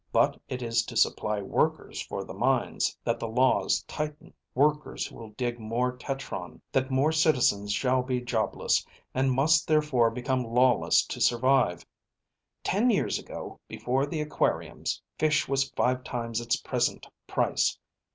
But it is to supply workers for the mines that the laws tighten, workers who will dig more tetron, that more citizens shall be jobless, and must therefore become lawless to survive. Ten years ago, before the aquariums, fish was five times its present price.